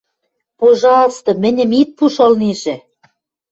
– Пожалсты, мӹньӹм ит пушт ылнежӹ...